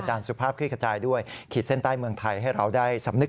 สุภาพคลี่ขจายด้วยขีดเส้นใต้เมืองไทยให้เราได้สำนึก